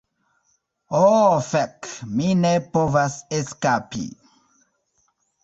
Oh fek, mi ne povas eskapi!